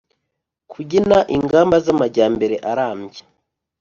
kugena ingamba z'amajyambere arambye .